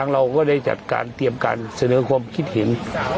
เราก็ได้จัดการเตรียมการเสนอความคิดเห็น